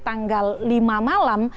tanggal lima malam